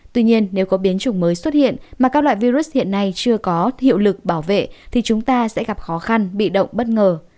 tuy nhiên nếu có biến chủng mới xuất hiện mà các loại virus hiện nay chưa có hiệu lực bảo vệ thì chúng ta sẽ gặp khó khăn bị động bất ngờ